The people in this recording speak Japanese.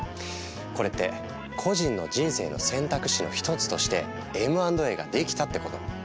これって個人の人生の選択肢の一つとしてＭ＆Ａができたってこと。